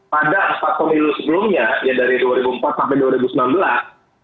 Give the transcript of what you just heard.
pada empat pemilu sebelumnya ya dari dua ribu empat sampai dua ribu sembilan belas